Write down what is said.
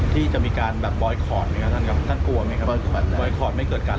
ที่ออกมันมันมีที่กว่ากี่พัก